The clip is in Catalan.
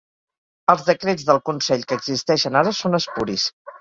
Els decrets del consell que existeixen ara són espuris.